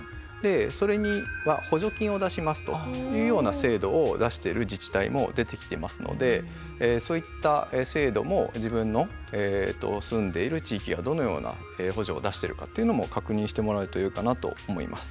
それには補助金を出しますというような制度を出してる自治体も出てきてますのでそういった制度も自分の住んでいる地域がどのような補助を出してるかっていうのも確認してもらうとよいかなと思います。